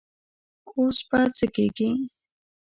اوس به څه کيږي؟